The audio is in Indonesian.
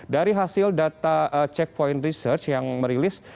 dari hasil data checkpoint research yang merilis